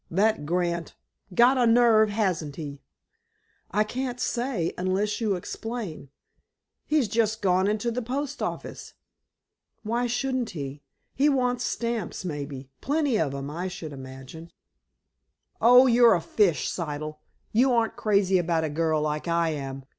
"That Grant. Got a nerve, hasn't he?" "I can't say, unless you explain." "He's just gone into the post office." "Why shouldn't he? He wants stamps, may be; plenty of 'em, I should imagine." "Oh, you're a fish, Siddle. You aren't crazy about a girl, like I am.